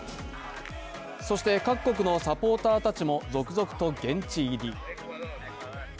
そして各国のサポーターたちも続々と現地入り。